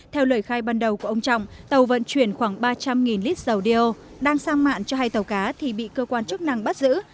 theo lời khai ban đầu của ông trọng tàu vận chuyển khoảng ba trăm linh lít dầu đeo đang sang mạng cho hai tàu cá thì bị cơ quan chức năng bắt giữ